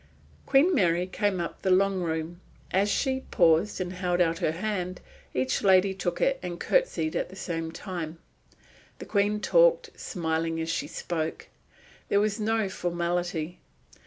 Queen Mary came up the long room. As she paused and held out her hand, each lady took it and curtsied at the same time. The Queen talked, smiling as she spoke. There was no formality.